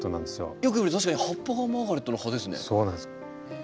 よく見ると確かに葉っぱがマーガレットの葉ですね。